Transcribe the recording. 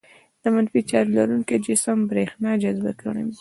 د منفي چارج لرونکي جسم برېښنا جذبه کوي.